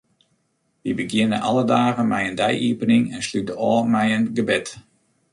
Wy begjinne alle dagen mei in dei-iepening en slute ôf mei in gebed.